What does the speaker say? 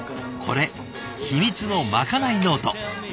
これ秘密のまかないノート。